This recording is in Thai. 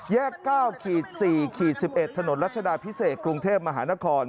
๙๔๑๑ถนนรัชดาพิเศษกรุงเทพมหานคร